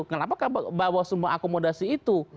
kenapa bawaslu mengakomodasi itu